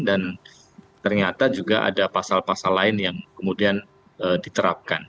dan ternyata juga ada pasal pasal lain yang kemudian diterapkan